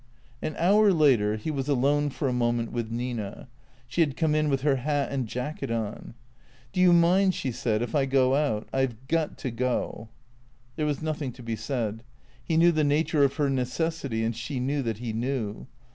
An hour later he was alone for a moment with Nina. She had come in with her hat and jacket on. "Do you mind," she said, "if I go out? I've got to go." There was nothing to be said. He knew the nature of her necessity, and she knew that he knew.